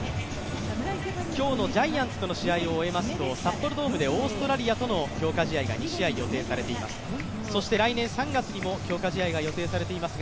今日のジャイアンツとの試合を終えますと、札幌ドームでオーストラリアとの強化試合が２試合予定されています